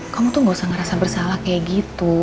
kamu tuh gak usah ngerasa bersalah kayak gitu